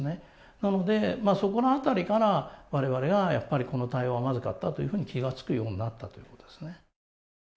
なので、そこのあたりから、われわれがやっぱりこの対応はまずかったというふうに気がつくようになったということですね。